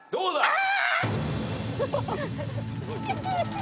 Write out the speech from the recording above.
あ！